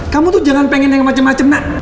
kamu tuh jangan pengen yang macem macem nak